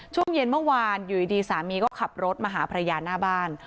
ช่วงเย็นเมื่อวานอยู่ดีสามีก็ขับรถมาหาภรรยาหน้าบ้าน